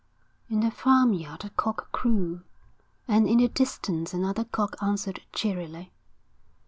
In the farmyard a cock crew, and in the distance another cock answered cheerily.